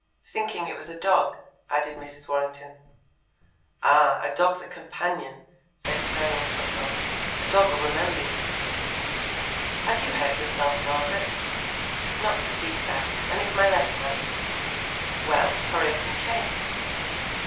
"Thinking it was a dog," added Mrs. Warrington. "Ah, a dog's a companion!" said Colonel Fussell. "A dog'll remember you." "Have you hurt yourself, Margaret?" "Not to speak about; and it's my left hand." "Well, hurry up and change."